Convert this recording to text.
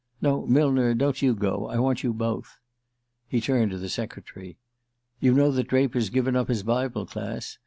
"No, Millner, don't you go; I want you both." He turned to the secretary. "You know that Draper's given up his Bible Class?